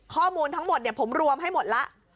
ข้อมูลทั้งหมดผมรวมให้หมดแล้ว